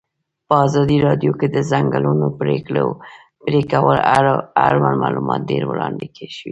په ازادي راډیو کې د د ځنګلونو پرېکول اړوند معلومات ډېر وړاندې شوي.